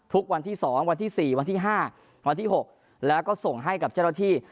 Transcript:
วันที่๒วันที่๔วันที่๕วันที่๖แล้วก็ส่งให้กับเจ้าหน้าที่